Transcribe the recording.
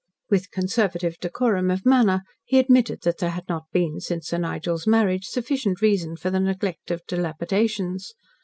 With conservative decorum of manner, he admitted that there had not been, since Sir Nigel's marriage, sufficient reason for the neglect of dilapidations.